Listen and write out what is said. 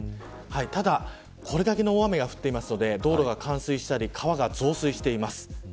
ただ、これだけの大雨が降っているので道路が冠水したり川が増水しています。